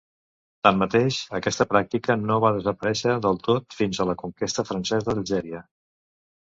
Tanmateix, aquesta pràctica no va desaparèixer del tot fins a la conquesta francesa d'Algèria.